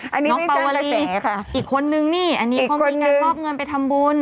น้องเป่าวรีอีกคนนึงนี่อันนี้เขามีเงินมอบเงินไปทำบุญ